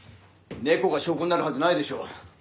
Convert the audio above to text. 猫が証拠になるはずないでしょう。